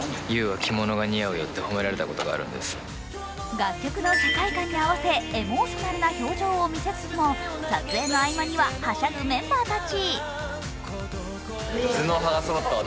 楽曲の世界観に合わせ、エモーショナルな表情を見せつつも撮影の合間にははしゃぐメンバーたち。